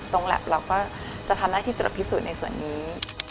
แล็บเราก็จะทำหน้าที่ตรวจพิสูจน์ในส่วนนี้